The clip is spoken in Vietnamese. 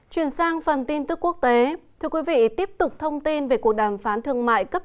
chuyển sang phần tin tức quốc tế thưa quý vị tiếp tục thông tin về cuộc đàm phán thương mại cấp